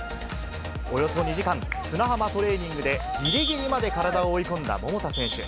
およそ２時間、砂浜トレーニングでぎりぎりまで体を追い込んだ桃田選手。